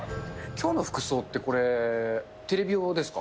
きょうの服装って、これ、テレビ用ですか？